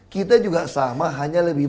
kita juga sama hanya lebih